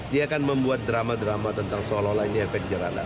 dia akan membuat drama drama tentang seolah olah ini efek jerana